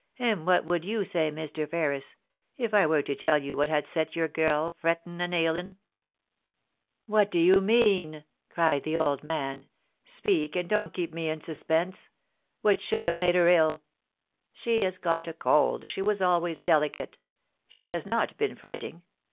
... And what would you say, Mr. Ferris, if I were to tell you what had set your gell frettin' and ailin' ?What do you mean ?* cried the old maa * Speak, and don't keep me in suspense. What should have made her ill ? She has caught a cold ; she was always delicate. She has not been fretting.